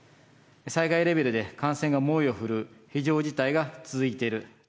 災害レベルで感染が猛威を振るう、非常事態が続いている。